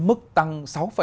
mức tăng sáu bảy mươi hai